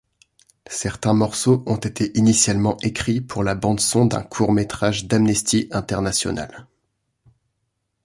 Certains morceaux ont été initialement écrits pour la bande son d’un court-métrage d’Amnesty International.